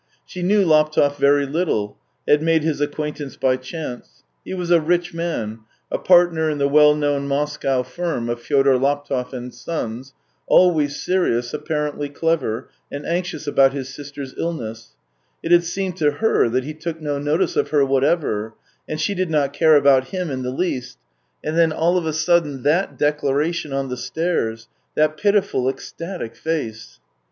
She knew Laptev very little, had made his acquaintance by chance; he was a rich man, a partner in the well known Moscow firm of " Fyodor Laptev and Sons"; always serious, apparently clever, and anxious about his sister's 200 THE TALES OF TCHEHOV illness. It had seemed to her that he took no notice of her whatever, and she did not care about him in the least — and then all of a sudden that declaration on the stairs, that pitiful, ecstatic face.